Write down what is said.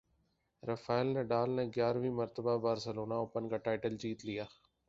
Rafael Nadal نے گیارہویں مرتبہ بارسلونا اوپن کا ٹائٹل جیت لیا